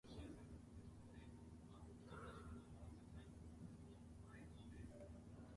The band Marillion have a close association with Aylesbury.